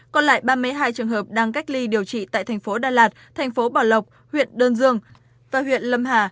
còn lại ba mươi hai trường hợp đang cách ly điều trị tại thành phố đà lạt thành phố bảo lộc huyện đơn dương và huyện lâm hà